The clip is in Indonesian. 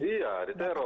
iya di teror